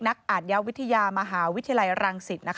นักอ่านยาวิทยามหาวิทยาลัยรังศิษฐ์